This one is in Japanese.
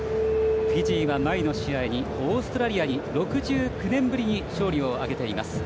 フィジーは前の試合にオーストラリアに６９年ぶりに勝利を挙げています。